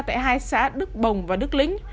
tại hai xã đức bồng và đức lính